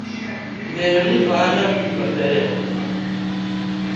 Bedo ni ohala ok dhi maber e pinje